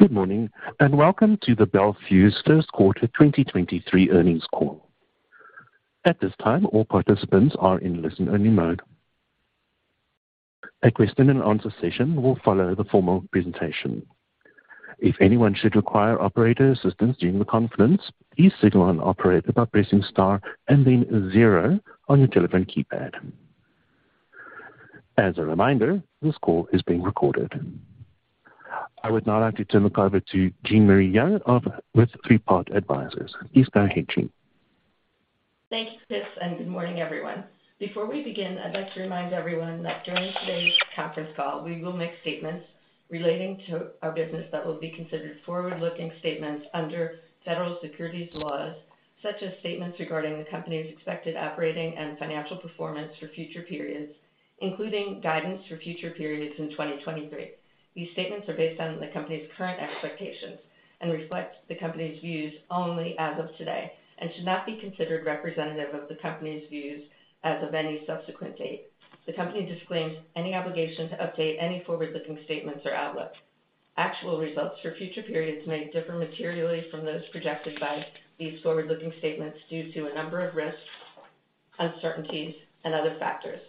Good morning, and welcome to the Bel Fuse first quarter 2023 earnings call. At this time, all participants are in listen-only mode. A question and answer session will follow the formal presentation. If anyone should require operator assistance during the conference, please signal an operator by pressing star and then zero on your telephone keypad. As a reminder, this call is being recorded. I would now like to turn the call over to Jean Marie Young with Three Part Advisors. Please go ahead, Jean. Thank you, Chris. Good morning, everyone. Before we begin, I'd like to remind everyone that during today's conference call, we will make statements relating to our business that will be considered forward-looking statements under federal securities laws, such as statements regarding the company's expected operating and financial performance for future periods, including guidance for future periods in 2023. These statements are based on the company's current expectations and reflect the company's views only as of today and should not be considered representative of the company's views as of any subsequent date. The company disclaims any obligation to update any forward-looking statements or outlook. Actual results for future periods may differ materially from those projected by these forward-looking statements due to a number of risks, uncertainties, and other factors.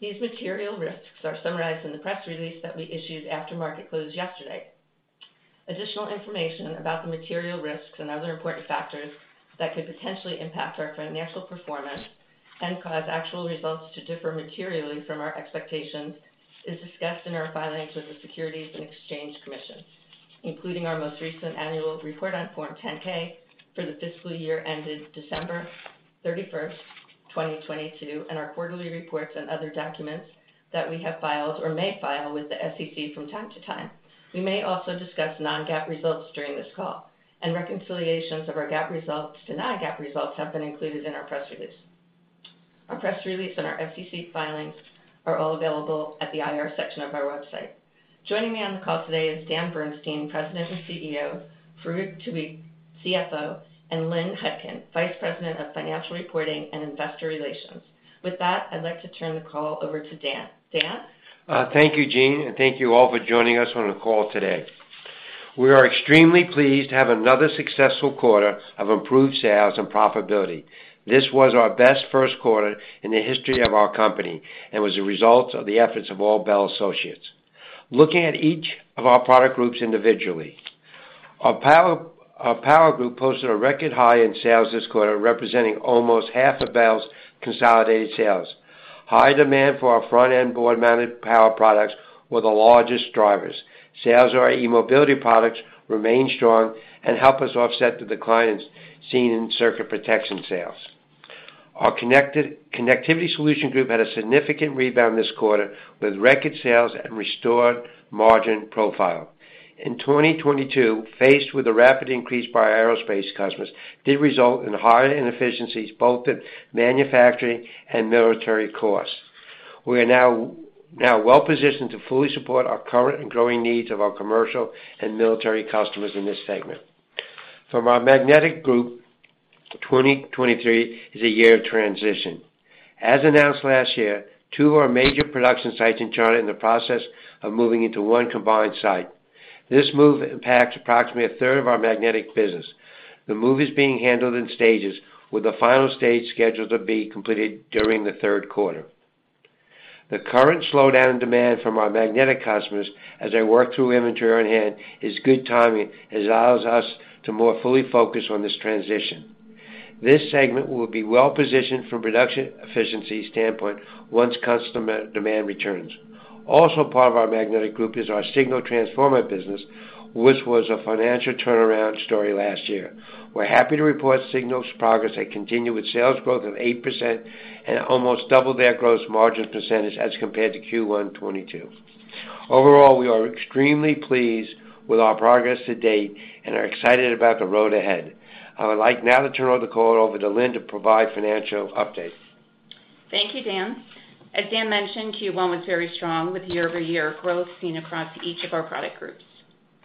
These material risks are summarized in the press release that we issued after market close yesterday. Additional information about the material risks and other important factors that could potentially impact our financial performance and cause actual results to differ materially from our expectations is discussed in our filings with the Securities and Exchange Commission, including our most recent annual report on form 10-K for the fiscal year ended December 31st, 2022, and our quarterly reports and other documents that we have filed or may file with the SEC from time to time. We may also discuss non-GAAP results during this call, and reconciliations of our GAAP results to non-GAAP results have been included in our press release. Our press release and our SEC filings are all available at the IR section of our website. Joining me on the call today is Dan Bernstein, President and CEO, Farouq Tuweiq, CFO, and Lynn Hutkin, Vice President of Financial Reporting and Investor Relations. With that, I'd like to turn the call over to Dan. Dan? Thank you, Jean, and thank you all for joining us on the call today. We are extremely pleased to have another successful quarter of improved sales and profitability. This was our best first quarter in the history of our company and was a result of the efforts of all Bel associates. Looking at each of our product groups individually. Our Power group posted a record high in sales this quarter, representing almost half of Bel's consolidated sales. High demand for our front-end, board-mount power products were the largest drivers. Sales of our eMobility products remain strong and help us offset the declines seen in circuit protection sales. Our Connectivity Solutions group had a significant rebound this quarter, with record sales and restored margin profile. In 2022, faced with a rapid increase by our aerospace customers, did result in higher inefficiencies both in manufacturing and military costs. We are now well-positioned to fully support our current and growing needs of our commercial and military customers in this segment. From our Magnetic group, 2023 is a year of transition. As announced last year, two of our major production sites in China are in the process of moving into one combined site. This move impacts approximately a third of our Magnetic business. The move is being handled in stages, with the final stage scheduled to be completed during the third quarter. The current slowdown in demand from our Magnetic customers as they work through inventory on hand is good timing as it allows us to more fully focus on this transition. This segment will be well-positioned from a production efficiency standpoint once customer demand returns. Part of our Magnetic group is our Signal Transformer business, which was a financial turnaround story last year. We're happy to report Signal's progress had continued with sales growth of 8% and almost doubled their gross margin percentage as compared to Q1 2022. We are extremely pleased with our progress to date and are excited about the road ahead. I would like now to turn the call over to Lynn to provide financial update. Thank you, Dan. As Dan mentioned, Q1 was very strong with year-over-year growth seen across each of our product groups.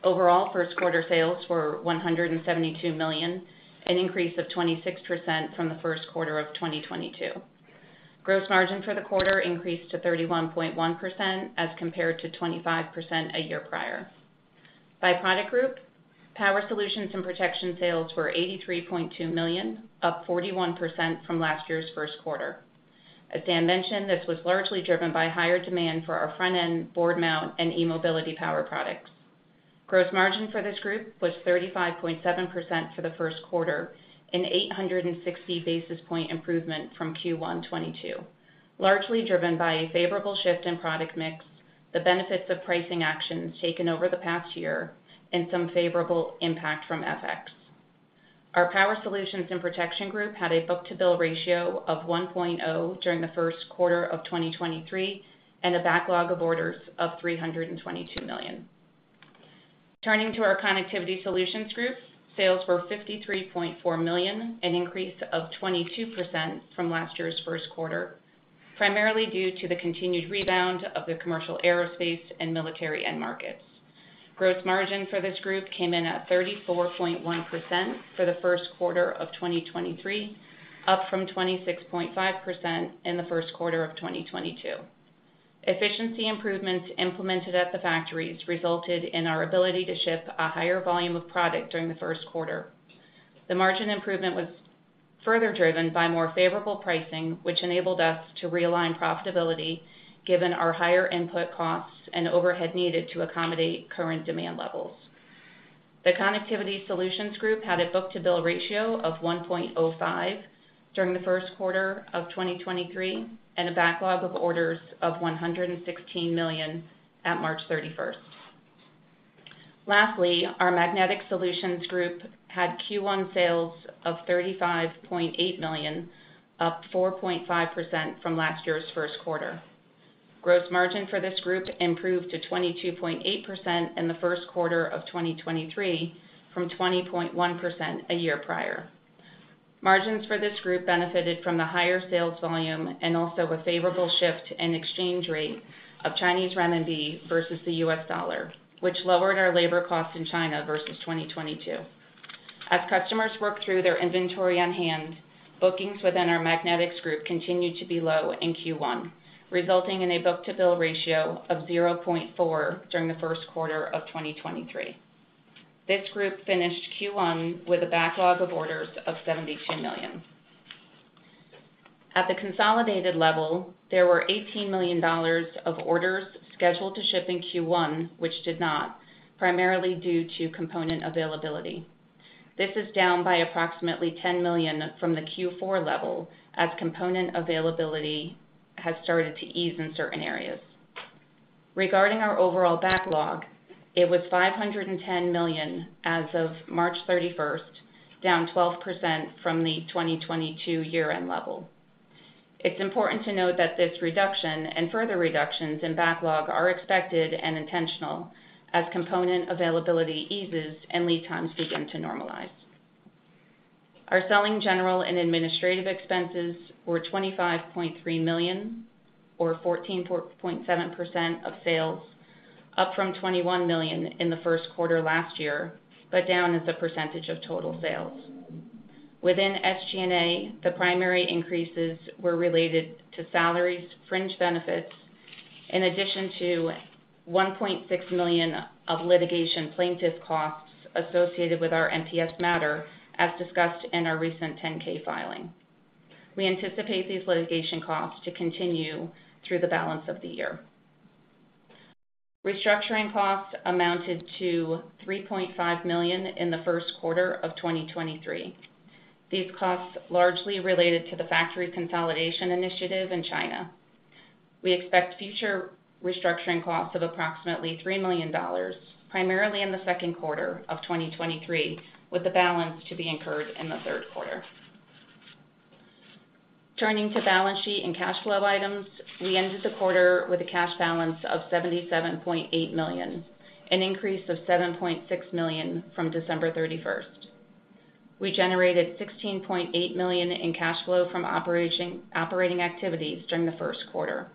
Overall, first quarter sales were $172 million, an increase of 26% from the first quarter of 2022. Gross margin for the quarter increased to 31.1% as compared to 25% a year prior. By product group, Power Solutions and Protection sales were $83.2 million, up 41% from last year's first quarter. As Dan mentioned, this was largely driven by higher demand for our front-end, board-mount power and eMobility power products. Gross margin for this group was 35.7% for the first quarter, an 860 basis point improvement from Q1 2022. Largely driven by a favorable shift in product mix, the benefits of pricing actions taken over the past year, and some favorable impact from FX. Our Power Solutions and Protection group had a book-to-bill ratio of 1.0 during the first quarter of 2023, and a backlog of orders of $322 million. Turning to our Connectivity Solutions group, sales were $53.4 million, an increase of 22% from last year's first quarter, primarily due to the continued rebound of the commercial aerospace and military end markets. Gross margin for this group came in at 34.1% for the first quarter of 2023, up from 26.5% in the first quarter of 2022. Efficiency improvements implemented at the factories resulted in our ability to ship a higher volume of product during the first quarter. The margin improvement was further driven by more favorable pricing, which enabled us to realign profitability given our higher input costs and overhead needed to accommodate current demand levels. The Connectivity Solutions Group had a book-to-bill ratio of 1.05 during the first quarter of 2023, and a backlog of orders of $116 million at March 31st. Lastly, our Magnetic Solutions Group had Q1 sales of $35.8 million, up 4.5% from last year's first quarter. Gross margin for this group improved to 22.8% in the first quarter of 2023 from 20.1% a year prior. Margins for this group benefited from the higher sales volume and also a favorable shift in exchange rate of Chinese renminbi versus the US dollar, which lowered our labor costs in China versus 2022. As customers work through their inventory on hand, bookings within our Magnetics continued to be low in Q1, resulting in a book-to-bill ratio of 0.4 during the first quarter of 2023. This group finished Q1 with a backlog of orders of $72 million. At the consolidated level, there were $18 million of orders scheduled to ship in Q1, which did not, primarily due to component availability. This is down by approximately $10 million from the Q4 level as component availability has started to ease in certain areas. Regarding our overall backlog, it was $510 million as of March 31st, down 12% from the 2022 year-end level. It's important to note that this reduction and further reductions in backlog are expected and intentional as component availability eases and lead times begin to normalize. Our selling general and administrative expenses were $25.3 million, or 14.7% of sales, up from $21 million in the first quarter last year, down as a percentage of total sales. Within SG&A, the primary increases were related to salaries, fringe benefits, in addition to $1.6 million of litigation plaintiff costs associated with our MTS matter, as discussed in our recent 10-K filing. We anticipate these litigation costs to continue through the balance of the year. Restructuring costs amounted to $3.5 million in the first quarter of 2023. These costs largely related to the factory consolidation initiative in China. We expect future restructuring costs of approximately $3 million, primarily in the second quarter of 2023, with the balance to be incurred in the third quarter. Turning to balance sheet and cash flow items, we ended the quarter with a cash balance of $77.8 million, an increase of $7.6 million from December 31st. We generated $16.8 million in cash flow from operating activities during the first quarter.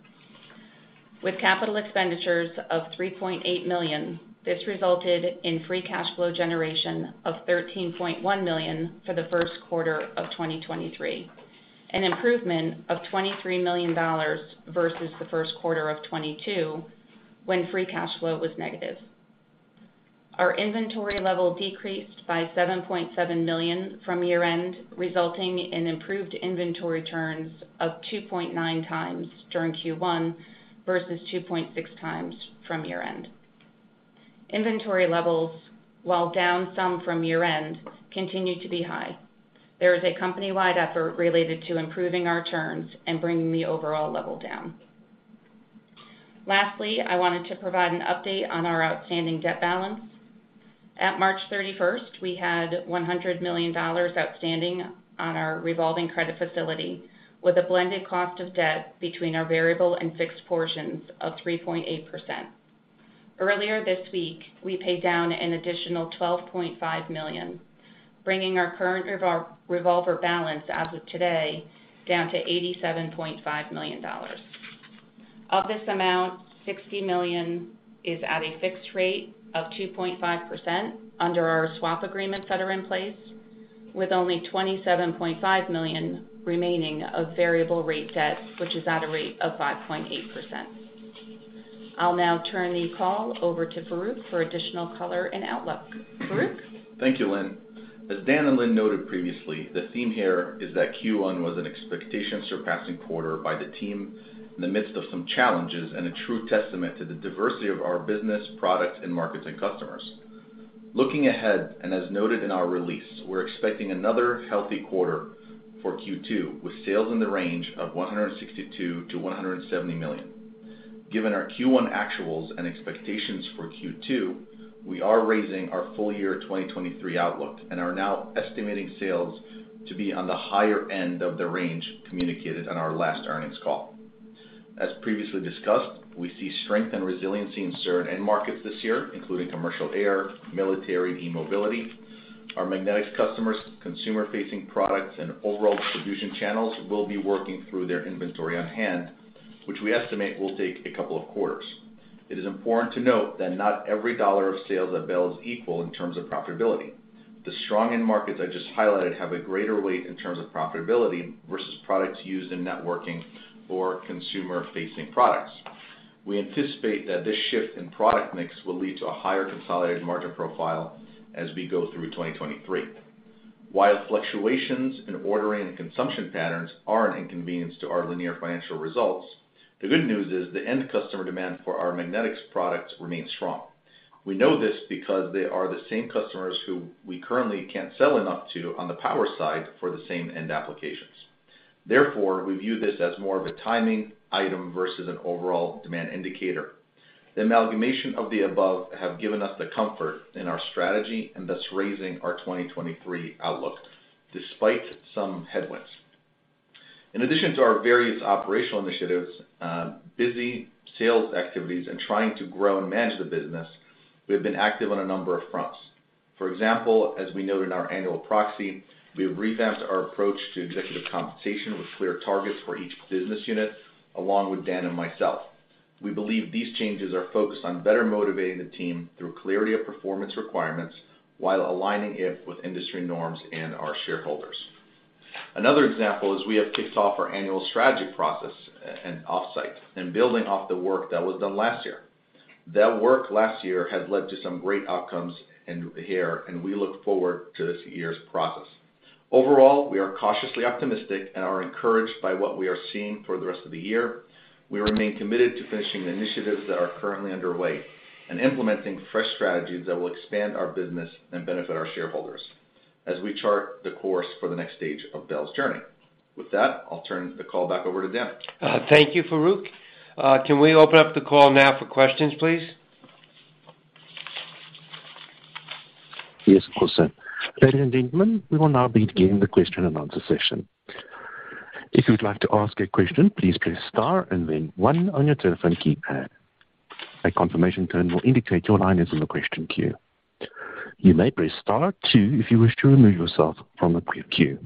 With capital expenditures of $3.8 million, this resulted in free cash flow generation of $13.1 million for the first quarter of 2023, an improvement of $23 million versus the first quarter of 2022, when free cash flow was negative. Our inventory level decreased by $7.7 million from year-end, resulting in improved inventory turns of 2.9 times during Q1 versus 2.6 times from year-end. Inventory levels, while down some from year-end, continue to be high. There is a company-wide effort related to improving our turns and bringing the overall level down. Lastly, I wanted to provide an update on our outstanding debt balance. At March 31st, we had $100 million outstanding on our revolving credit facility, with a blended cost of debt between our variable and fixed portions of 3.8%. Earlier this week, we paid down an additional $12.5 million, bringing our current revolver balance as of today down to $87.5 million. Of this amount, $60 million is at a fixed rate of 2.5% under our swap agreements that are in place, with only $27.5 million remaining of variable rate debt, which is at a rate of 5.8%. I'll now turn the call over to Farouq for additional color and outlook. Farouq? Thank you, Lynn. As Dan and Lynn noted previously, the theme here is that Q1 was an expectation-surpassing quarter by the team in the midst of some challenges and a true testament to the diversity of our business, products, and markets and customers. Looking ahead, and as noted in our release, we're expecting another healthy quarter for Q2, with sales in the range of $162 million-$170 million. Given our Q1 actuals and expectations for Q2, we are raising our full year 2023 outlook and are now estimating sales to be on the higher end of the range communicated on our last earnings call. As previously discussed, we see strength and resiliency in certain end markets this year, including commercial air, military, eMobility. Our magnetics customers, consumer-facing products, and overall distribution channels will be working through their inventory on hand, which we estimate will take a couple of quarters. It is important to note that not every dollar of sales at Bel is equal in terms of profitability. The strong end markets I just highlighted have a greater weight in terms of profitability versus products used in networking or consumer-facing products. We anticipate that this shift in product mix will lead to a higher consolidated margin profile as we go through 2023. While fluctuations in ordering and consumption patterns are an inconvenience to our linear financial results, the good news is the end customer demand for our magnetics products remains strong. We know this because they are the same customers who we currently can't sell enough to on the power side for the same end applications. Therefore, we view this as more of a timing item versus an overall demand indicator. The amalgamation of the above have given us the comfort in our strategy and thus raising our 2023 outlook despite some headwinds. In addition to our various operational initiatives, busy sales activities and trying to grow and manage the business, we have been active on a number of fronts. For example, as we noted in our annual proxy, we have revamped our approach to executive compensation with clear targets for each business unit, along with Dan and myself. We believe these changes are focused on better motivating the team through clarity of performance requirements while aligning it with industry norms and our shareholders. Another example is we have kicked off our annual strategy process and offsite and building off the work that was done last year. That work last year has led to some great outcomes in here, and we look forward to this year's process. Overall, we are cautiously optimistic and are encouraged by what we are seeing for the rest of the year. We remain committed to finishing the initiatives that are currently underway and implementing fresh strategies that will expand our business and benefit our shareholders as we chart the course for the next stage of Bel's journey. With that, I'll turn the call back over to Dan. Thank you, Farouq. Can we open up the call now for questions, please? Yes, of course, sir. Ladies and gentlemen, we will now begin the question and answer session. If you'd like to ask a question, please press star and then one on your telephone keypad. A confirmation tone will indicate your line is in the question queue. You may press star two if you wish to remove yourself from the queue.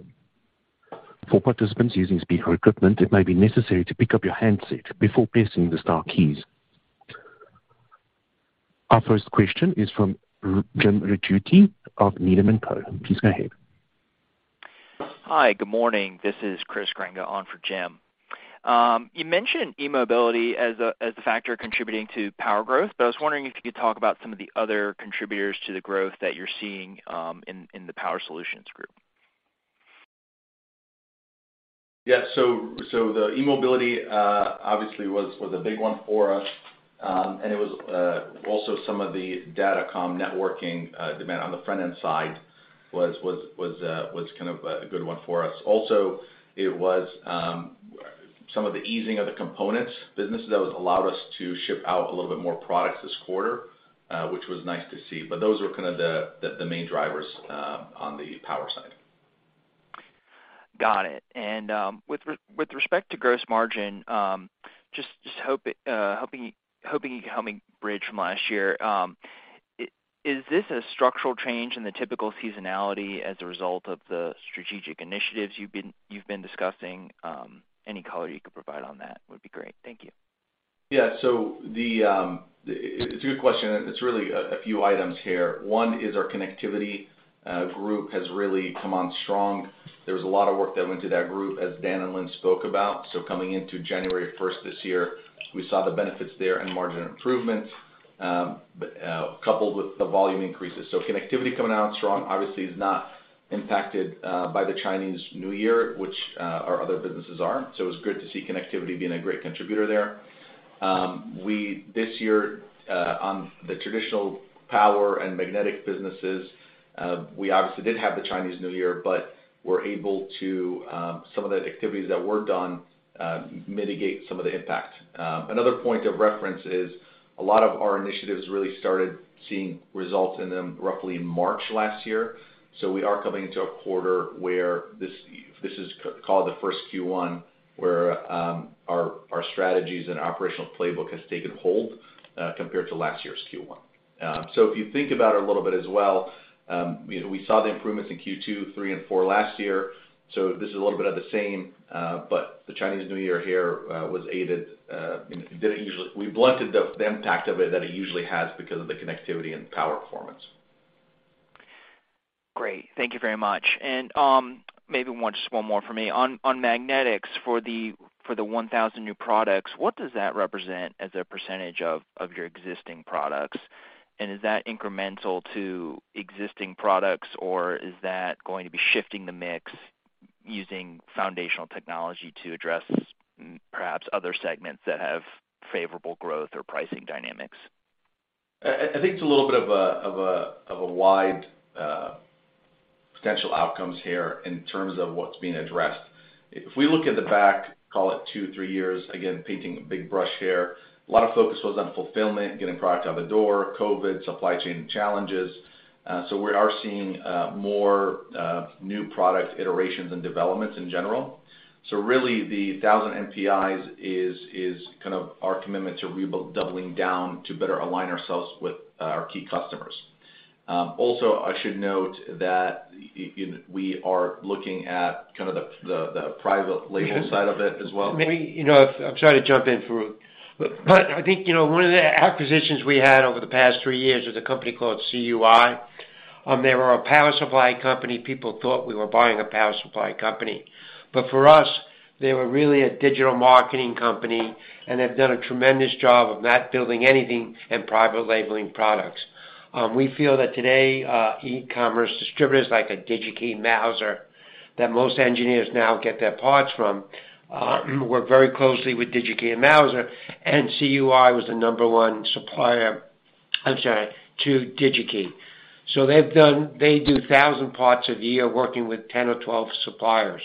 For participants using speaker equipment, it may be necessary to pick up your handset before pressing the star keys. Our first question is from Jim Ricchiuti of Needham & Co. Please go ahead. Hi. Good morning. This is Chris Granga on for Jim. You mentioned eMobility as a factor contributing to power growth, but I was wondering if you could talk about some of the other contributors to the growth that you're seeing in the Power Solutions group. So the eMobility obviously was a big one for us, and it was also some of the datacom networking demand on the front-end side was kind of a good one for us. It was some of the easing of the components business that allowed us to ship out a little bit more products this quarter, which was nice to see. Those were kind of the main drivers on the power side. Got it. With respect to gross margin, just hope, hoping you can help me bridge from last year, is this a structural change in the typical seasonality as a result of the strategic initiatives you've been discussing? Any color you could provide on that would be great. Thank you. Yeah. The, it's a good question, and it's really a few items here. One is our Connectivity group has really come on strong. There was a lot of work that went to that group as Dan and Lynn spoke about. Coming into January 1st this year, we saw the benefits there and margin improvements, but coupled with the volume increases. Connectivity coming out strong obviously is not impacted by the Chinese New Year, which our other businesses are. It's good to see Connectivity being a great contributor there. We this year, on the traditional Power and Magnetic businesses, we obviously did have the Chinese New Year, but we're able to, some of the activities that worked on, mitigate some of the impact. Another point of reference is a lot of our initiatives really started seeing results in them roughly in March last year. We are coming into a quarter where this is called the 1st Q1 where our strategies and operational playbook has taken hold, compared to last year's Q1. If you think about it a little bit as well, you know, we saw the improvements in Q2, 3 and 4 last year. This is a little bit of the same, but the Chinese New Year here was aided, you know, didn't usually we blunted the impact of it that it usually has because of the connectivity and power performance. Great. Thank you very much. maybe one, just one more for me. On Magnetics for the 1,000 new products, what does that represent as a percentage of your existing products? Is that incremental to existing products, or is that going to be shifting the mix using foundational technology to address perhaps other segments that have favorable growth or pricing dynamics? I think it's a little bit of a wide potential outcomes here in terms of what's being addressed. If we look at the back, call it two, three years, again, painting a big brush here, a lot of focus was on fulfillment, getting product out the door, COVID, supply chain challenges. We are seeing more new product iterations and developments in general. Really the 1,000 NPIs is kind of our commitment to rebuilding, doubling down to better align ourselves with our key customers. I should note that we are looking at kind of the private label side of it as well. Maybe, you know, I'm sorry to jump in, Farouq. I think, you know, one of the acquisitions we had over the past three years was a company called CUI. They were a power supply company. People thought we were buying a power supply company. For us, they were really a digital marketing company, and they've done a tremendous job of not building anything in private labeling products. We feel that today, e-commerce distributors like a DigiKey and Mouser that most engineers now get their parts from, work very closely with DigiKey and Mouser, and CUI was the number one supplier, I'm sorry, to DigiKey. They do 1,000 parts a year working with 10 or 12 suppliers.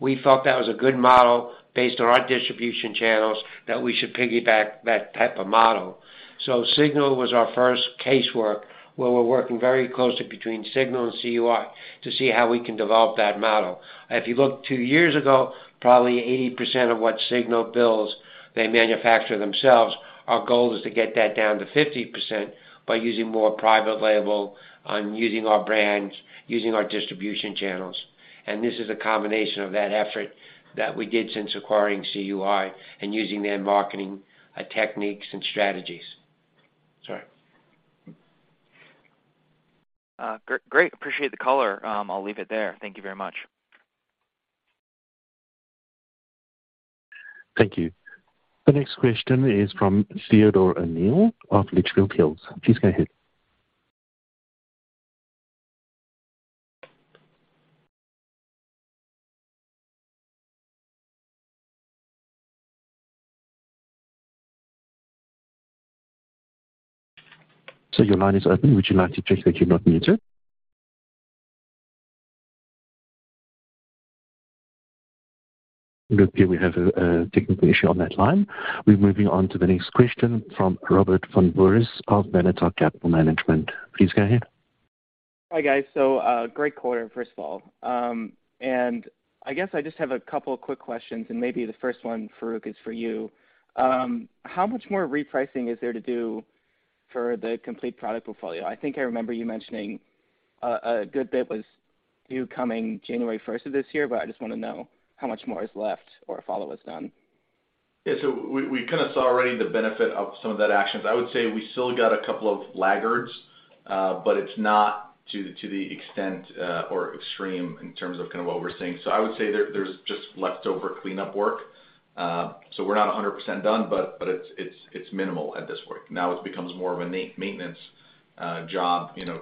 We felt that was a good model based on our distribution channels that we should piggyback that type of model. Signal was our first case work, where we're working very closely between Signal and CUI to see how we can develop that model. If you look two years ago, probably 80% of what Signal builds, they manufacture themselves. Our goal is to get that down to 50% by using more private label, using our brands, using our distribution channels. This is a combination of that effort that we did since acquiring CUI and using their marketing techniques and strategies. Sorry. Great. Appreciate the color. I'll leave it there. Thank you very much. Thank you. The next question is from Theodore O'Neill of Litchfield Hills. Please go ahead. Sir, your line is open. Would you like to check that you're not muted? Okay, we have a technical issue on that line. We're moving on to the next question from Robert van Binsbergen of Benatar Capital Management. Please go ahead. Hi, guys. Great quarter, first of all. I guess I just have a couple of quick questions, and maybe the first one, Farouq, is for you. How much more repricing is there to do for the complete product portfolio? I think I remember you mentioning a good bit was due coming January first of this year, but I just want to know how much more is left or if all it was done? Yeah. We kind of saw already the benefit of some of that actions. I would say we still got a couple of laggards, but it's not to the extent or extreme in terms of kind of what we're seeing. I would say there's just leftover cleanup work. We're not 100% done, but it's minimal at this point. Now it becomes more of a maintenance job, you know,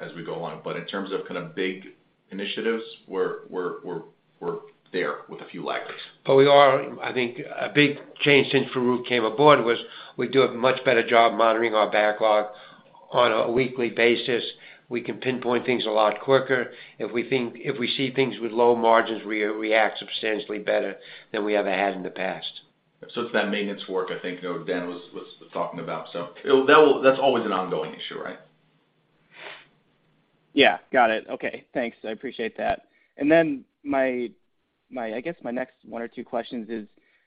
as we go along. In terms of kind of big initiatives, we're there with a few laggards. I think a big change since Farouq came aboard was we do a much better job monitoring our backlog on a weekly basis. We can pinpoint things a lot quicker. If we see things with low margins, we re-react substantially better than we ever had in the past. It's that maintenance work I think, you know, Dan was talking about. That's always an ongoing issue, right? Yeah. Got it. Okay. Thanks. I appreciate that. My... I guess my next one or two questions is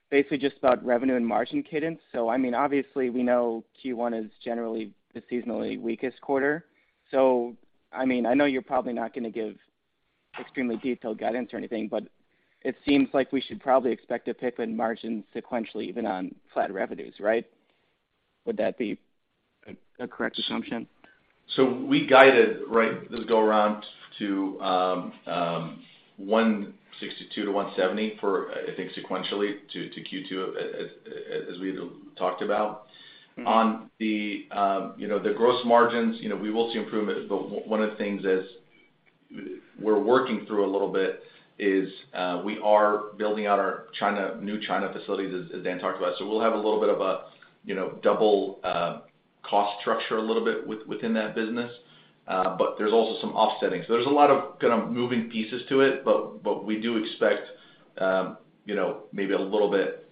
basically just about revenue and margin cadence. I mean, obviously we know Q1 is generally the seasonally weakest quarter. I mean, I know you're probably not gonna give extremely detailed guidance or anything, but it seems like we should probably expect a pick in margins sequentially even on flat revenues, right? Would that be a correct assumption? We guided, right, this go around to $162-$170 for, I think, sequentially to Q2, as we talked about. Mm-hmm. On the, you know, the gross margins, you know, we will see improvement, but one of the things we're working through a little bit is, we are building out our China, new China facilities, as Dan talked about. We'll have a little bit of a, you know, double cost structure a little bit within that business. There's also some offsetting. There's a lot of kind of moving pieces to it, but we do expect, you know, maybe a little bit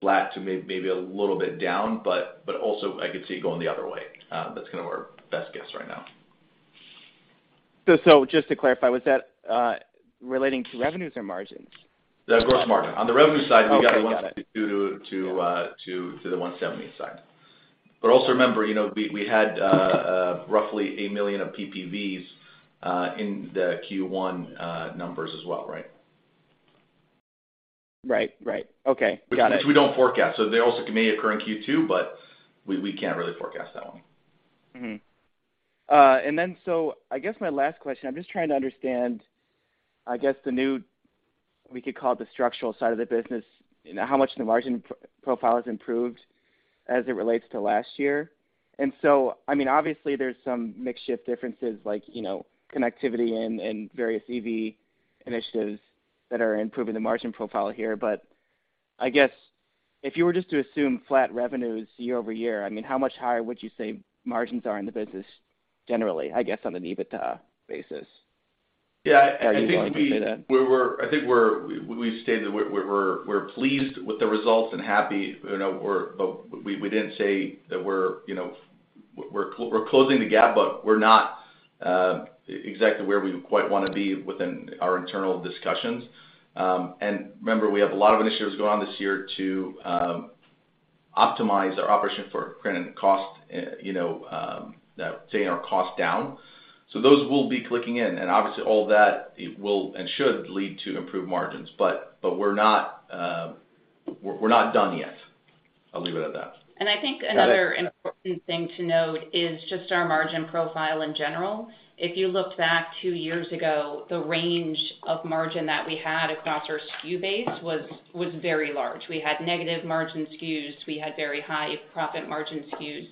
flat to maybe a little bit down, but also I could see it going the other way. That's kind of our best guess right now. just to clarify, was that relating to revenues or margins? The gross margin. On the revenue side. Okay. Got it. We got the 162 to the 170 side. Also remember, you know, we had roughly $1 million of PPVs in the Q1 numbers as well, right? Right. Right. Okay. Got it. Which we don't forecast. They also may occur in Q2, but we can't really forecast that one. I guess my last question, I'm just trying to understand, I guess, the new, we could call it the structural side of the business, you know, how much the margin profile has improved as it relates to last year. I mean, obviously there's some mix shift differences like, you know, connectivity and various EV initiatives that are improving the margin profile here. I guess if you were just to assume flat revenues year-over-year, I mean, how much higher would you say margins are in the business generally, I guess, on an EBITDA basis? Yeah. Are you willing to say that? We stated we're pleased with the results and happy, you know, we're. We didn't say that we're, you know, we're closing the gap, but we're not. Exactly where we quite wanna be within our internal discussions. Remember, we have a lot of initiatives going on this year to optimize our operation for credit and cost, you know, that taking our costs down. Those will be clicking in, and obviously all that it will and should lead to improved margins. But we're not done yet. I'll leave it at that. I think another important thing to note is just our margin profile in general. If you look back 2 years ago, the range of margin that we had across our SKU base was very large. We had negative margin SKUs. We had very high profit margin SKUs.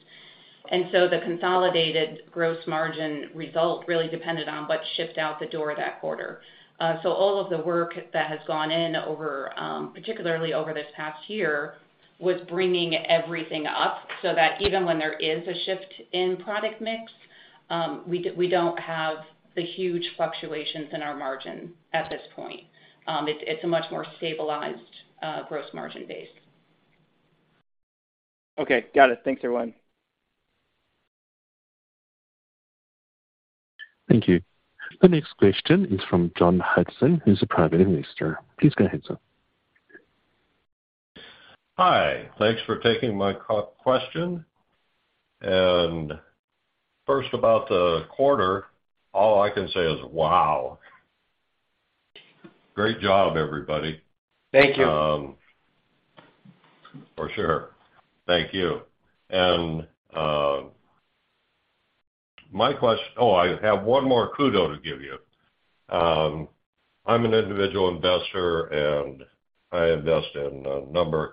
The consolidated gross margin result really depended on what shipped out the door that quarter. All of the work that has gone in over, particularly over this past year, was bringing everything up so that even when there is a shift in product mix, we don't have the huge fluctuations in our margin at this point. It's a much more stabilized gross margin base. Okay. Got it. Thanks, everyone. Thank you. The next question is from John Hudson, who's a Private Investor. Please go ahead, sir. Hi. Thanks for taking my question. First, about the quarter, all I can say is, wow. Great job, everybody. Thank you. For sure. Thank you. My quest... Oh, I have one more kudo to give you. I'm an individual investor, and I invest in a number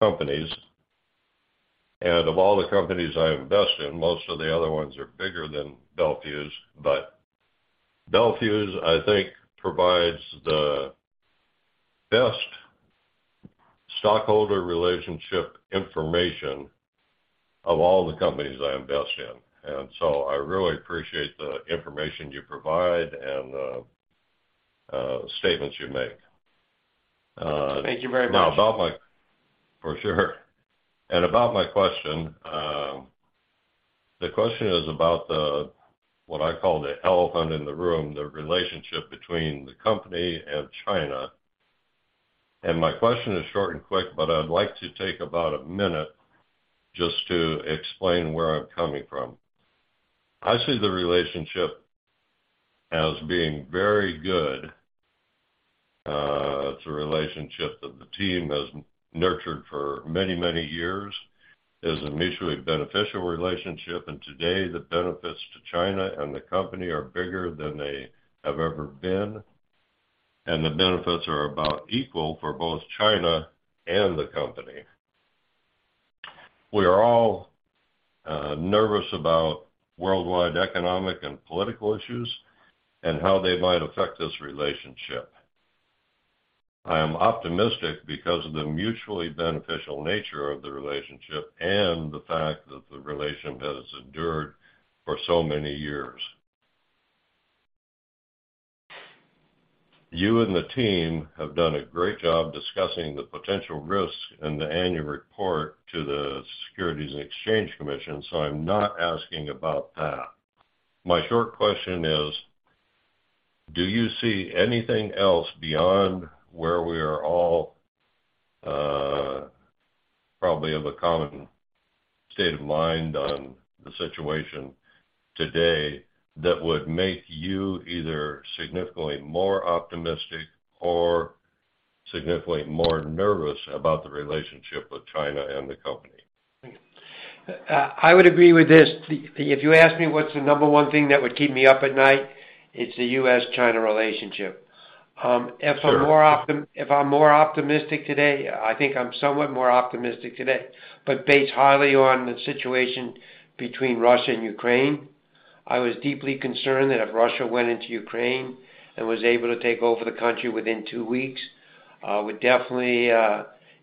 of companies. Of all the companies I invest in, most of the other ones are bigger than Bel Fuse, but Bel Fuse, I think, provides the best stockholder relationship information of all the companies I invest in. I really appreciate the information you provide and the statements you make- Thank you very much. For sure. About my question, the question is about the, what I call the elephant in the room, the relationship between the company and China. My question is short and quick, but I'd like to take about 1 minute just to explain where I'm coming from. I see the relationship as being very good. It's a relationship that the team has nurtured for many, many years. It's a mutually beneficial relationship, and today, the benefits to China and the company are bigger than they have ever been, and the benefits are about equal for both China and the company. We are all nervous about worldwide economic and political issues and how they might affect this relationship. I am optimistic because of the mutually beneficial nature of the relationship and the fact that the relationship has endured for so many years. You and the team have done a great job discussing the potential risks in the annual report to the Securities and Exchange Commission. I'm not asking about that. My short question is, do you see anything else beyond where we are all, probably of a common state of mind on the situation today that would make you either significantly more optimistic or significantly more nervous about the relationship with China and the company? I would agree with this. If you ask me what's the number one thing that would keep me up at night, it's the US-China relationship. If I'm more optimistic today, I think I'm somewhat more optimistic today, but based highly on the situation between Russia and Ukraine. I was deeply concerned that if Russia went into Ukraine and was able to take over the country within two weeks, would definitely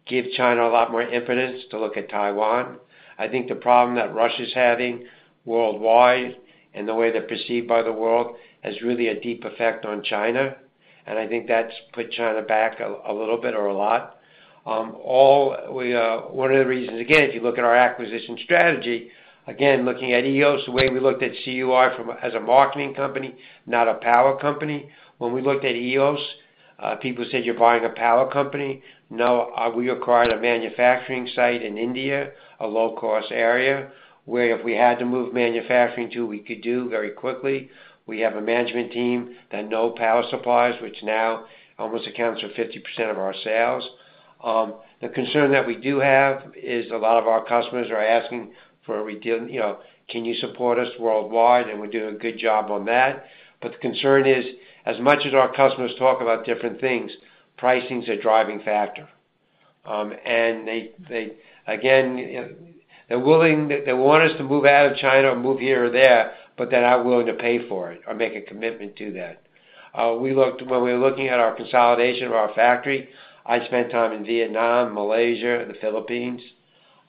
give China a lot more impetus to look at Taiwan. I think the problem that Russia's having worldwide and the way they're perceived by the world has really a deep effect on China, and I think that's put China back a little bit or a lot. One of the reasons, again, if you look at our acquisition strategy, again, looking at EOS, the way we looked at CUI as a marketing company, not a power company. When we looked at EOS, people said, "You're buying a power company." No, we acquired a manufacturing site in India, a low-cost area, where if we had to move manufacturing to, we could do very quickly. We have a management team that know power supplies, which now almost accounts for 50% of our sales. The concern that we do have is a lot of our customers are asking for a, you know, "Can you support us worldwide?" We're doing a good job on that. The concern is, as much as our customers talk about different things, pricing is a driving factor. They, again, they're willing... They want us to move out of China or move here or there, but they're not willing to pay for it or make a commitment to that. When we were looking at our consolidation of our factory, I'd spent time in Vietnam, Malaysia, the Philippines.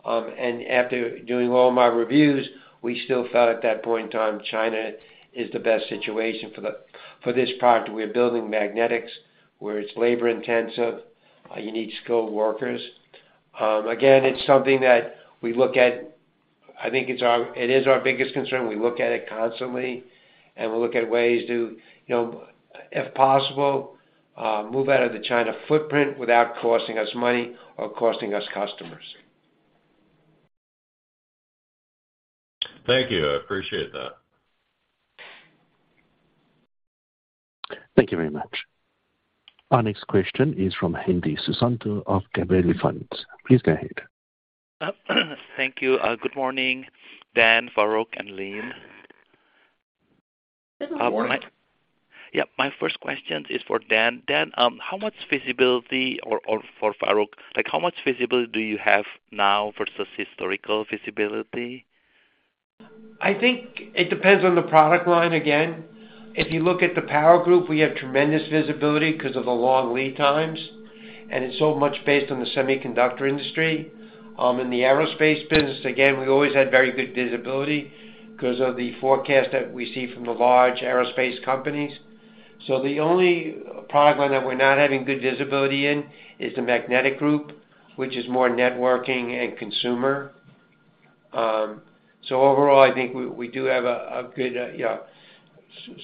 After doing all my reviews, we still felt at that point in time, China is the best situation for the, for this product. We're building Magnetics, where it's labor-intensive, you need skilled workers. Again, it's something that we look at. It is our biggest concern. We look at it constantly, and we look at ways to, you know, if possible, move out of the China footprint without costing us money or costing us customers. Thank you. I appreciate that. Thank you very much. Our next question is from Hendi Susanto of Gabelli Funds. Please go ahead. Thank you. Good morning, Dan, Farouq, and Lynn. Good morning. Yeah. My first question is for Dan. Dan, how much visibility or for Farouq, like, how much visibility do you have now versus historical visibility? I think it depends on the product line again. If you look at the power group, we have tremendous visibility because of the long lead times, and it's so much based on the semiconductor industry. In the aerospace business, again, we always had very good visibility 'cause of the forecast that we see from the large aerospace companies. The only product line that we're not having good visibility in is the magnetic group, which is more networking and consumer. Overall, I think we do have a good, you know,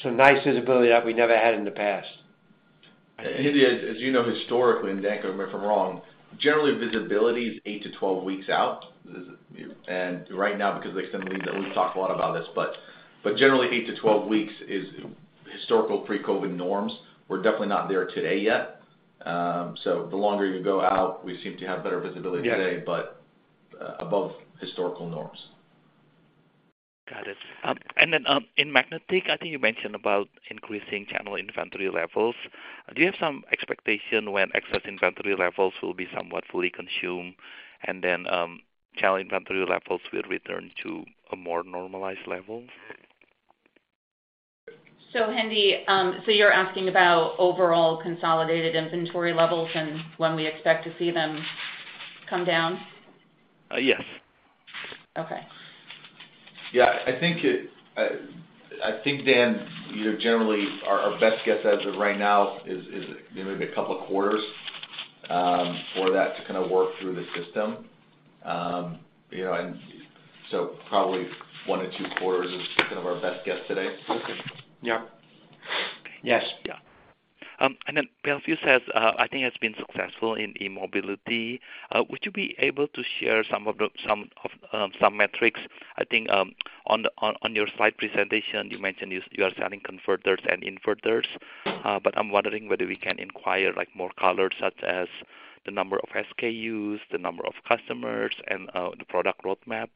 some nice visibility that we never had in the past. Hendi, as you know, historically, Dan can correct me if I'm wrong, generally visibility is 8 to 12 weeks out. Right now because there's some leads that we've talked a lot about this, but generally 8 to 12 weeks is historical pre-COVID norms. We're definitely not there today yet. The longer you go out, we seem to have better visibility today. Yeah. Above historical norms. Got it. In Magnetic, I think you mentioned about increasing channel inventory levels. Do you have some expectation when excess inventory levels will be somewhat fully consumed, and then, channel inventory levels will return to a more normalized level? Hendi, so you're asking about overall consolidated inventory levels and when we expect to see them come down? Yes. Okay. Yeah. I think, Dan, you know, generally our best guess as of right now is maybe a couple of quarters for that to kind of work through the system. You know, probably 1 to 2 quarters is kind of our best guess today. Okay. Yeah. Yes. Yeah. Bel Fuse has, I think, been successful in eMobility. Would you be able to share some of the, some metrics? I think, on your slide presentation, you mentioned you are selling converters and inverters. Mm-hmm. I'm wondering whether we can inquire, like, more color, such as the number of SKUs, the number of customers. Mm-hmm. The product roadmap.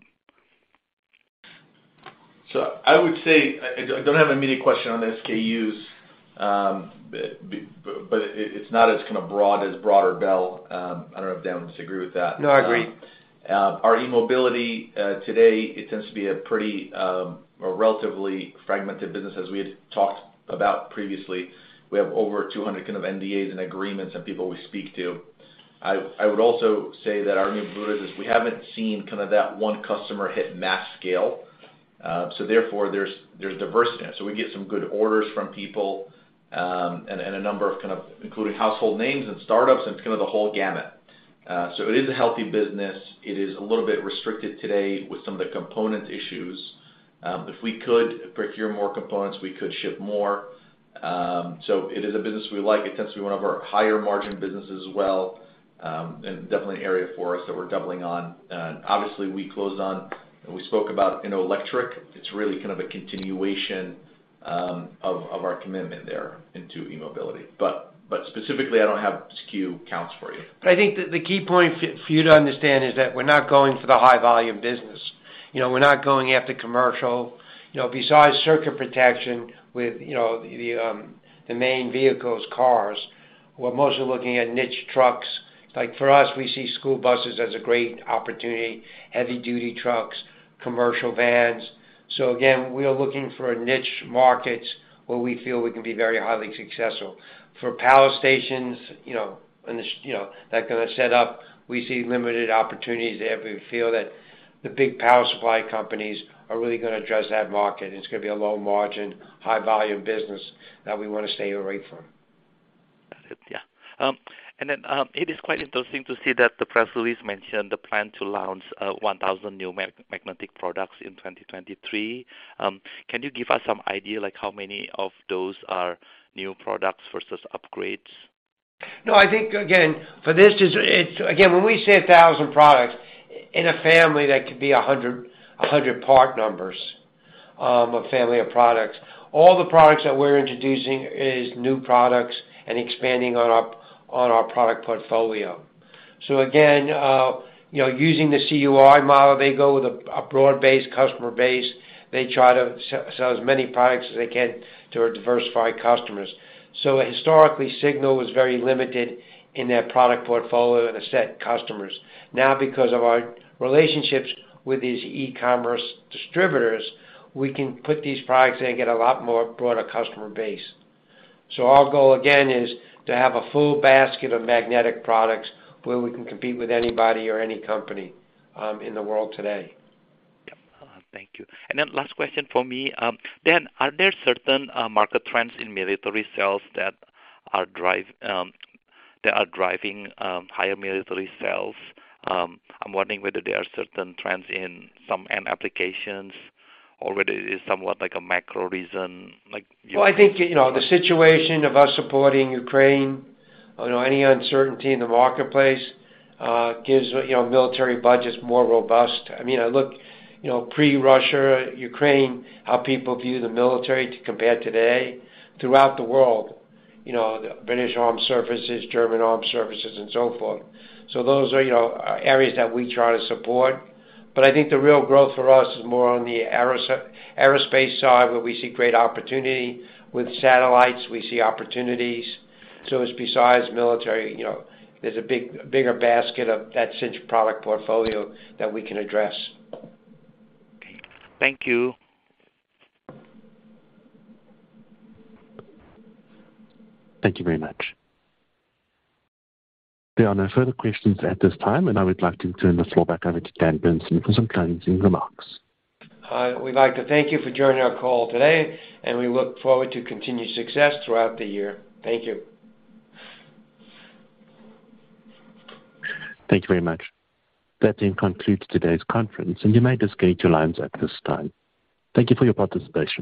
I would say, I don't have immediate question on the SKUs, but it's not as kind of broad as broader Bel. I don't know if Dan would disagree with that. No, I agree. Our eMobility today, it tends to be a pretty, or relatively fragmented business as we had talked about previously. We have over 200 kind of NDAs and agreements and people we speak to. I would also say that we haven't seen kind of that one customer hit mass scale. Therefore there's diversity. We get some good orders from people, and a number of kind of including household names and startups, and it's kind of the whole gamut. It is a healthy business. It is a little bit restricted today with some of the component issues. If we could procure more components, we could ship more. It is a business we like. It tends to be one of our higher margin businesses as well, and definitely an area for us that we're doubling on. Obviously, we closed on, and we spoke about innolectric. It's really kind of a continuation, of our commitment there into eMobility. Specifically, I don't have SKU counts for you. I think the key point for you to understand is that we're not going for the high volume business. You know, we're not going after commercial. You know, besides circuit protection with, you know, the main vehicles, cars, we're mostly looking at niche trucks. Like, for us, we see school buses as a great opportunity, heavy duty trucks, commercial vans. Again, we are looking for niche markets where we feel we can be very highly successful. For power stations, you know, and this, you know, that kinda set up, we see limited opportunities there. We feel that the big power supply companies are really gonna address that market, and it's gonna be a low margin, high volume business that we wanna stay away from. Got it. Yeah. It is quite interesting to see that the press release mentioned the plan to launch 1,000 new Magnetic products in 2023. Can you give us some idea, how many of those are new products versus upgrades? I think again, for this is when we say 1,000 products, in a family, that could be 100 part numbers, a family of products. All the products that we're introducing is new products and expanding on our product portfolio. You know, using the CUI model, they go with a broad base, customer base. They try to sell as many products as they can to our diversified customers. Historically, Signal was very limited in their product portfolio and the set customers. Now, because of our relationships with these e-commerce distributors, we can put these products in and get a lot more broader customer base. Our goal, again, is to have a full basket of magnetic products where we can compete with anybody or any company in the world today. Yeah. Thank you. Last question for me. Dan, are there certain market trends in military sales that are driving higher military sales? I'm wondering whether there are certain trends in some end applications or whether it is somewhat like a macro reason, like, you know... I think, you know, the situation of us supporting Ukraine, you know, any uncertainty in the marketplace, gives, you know, military budgets more robust. I mean, look, you know, pre-Russia, Ukraine, how people view the military compared today throughout the world, you know, the British armed services, German armed services, and so forth. Those are, you know, areas that we try to support. I think the real growth for us is more on the aerospace side, where we see great opportunity. With satellites, we see opportunities. It's besides military, you know, there's a bigger basket of that Cinch product portfolio that we can address. Okay. Thank you. Thank you very much. There are no further questions at this time. I would like to turn the floor back over to Dan Bernstein for some closing remarks. We'd like to thank you for joining our call today, and we look forward to continued success throughout the year. Thank you. Thank you very much. That then concludes today's conference. You may disconnect your lines at this time. Thank you for your participation.